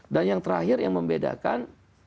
dan yang terakhir yang membedakan